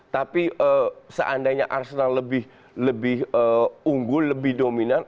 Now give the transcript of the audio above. tapi seandainya arsenal lebih unggul lebih dominan